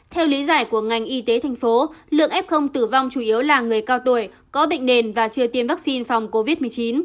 theo lý giải của ngành y tế thành phố lượng f tử vong chủ yếu là người cao tuổi có bệnh nền và chưa tiêm vaccine phòng covid một mươi chín